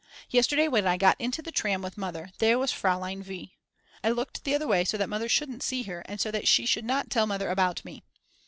Yesterday when I got into the tram with Mother there was Fraulein V. I looked the other way so that Mother shouldn't see her and so that she should not tell Mother about me.